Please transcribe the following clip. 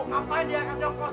ngapain dia kasih om kos